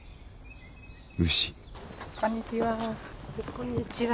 こんにちは。